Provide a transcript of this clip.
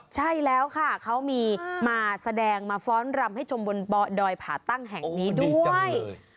ใช่แล้วค่ะเขามีมาแสดงมาฟ้อนรำให้ชมบนเบาะดอยผ่าตั้งแห่งนี้ด้วย